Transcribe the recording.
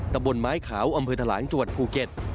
ตะบนไม้ขาวอำเภอทะลางจังหวัดภูเก็ต